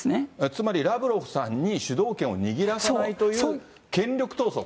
つまり、ラブロフさんに主導権を握らさないという権力闘争？